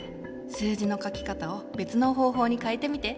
数字の書き方を別の方法に変えてみて。